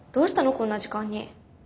こんな時間に。